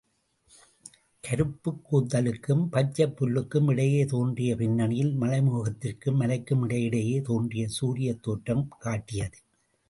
கருப்புக் கூந்தலுக்கும், பச்சைப் புல்லுக்கும் இடையே தோன்றிய பின்னணியில் மழைமேகத்திற்கும் மலைக்கும் இடையிடையே தோன்றிய சூரியத் தோற்றம் காட்டியது.